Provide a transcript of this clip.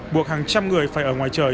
buộc hàng trăm người phải ở ngoài trời